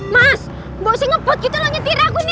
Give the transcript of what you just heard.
mas mboksi ngepot gitu loh nyetir aku ini